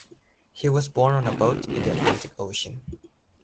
He was born on a boat in the Atlantic Ocean.